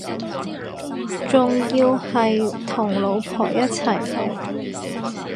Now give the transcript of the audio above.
仲要係同老婆一齊去